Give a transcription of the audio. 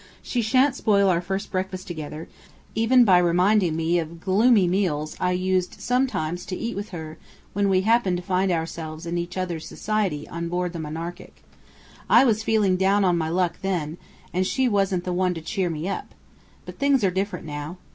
"She sha'n't spoil our first breakfast together, even by reminding me of gloomy meals I used sometimes to eat with her when we happened to find ourselves in each other's society on board the Monarchic. I was feeling down on my luck then, and she wasn't the one to cheer me up. But things are different now.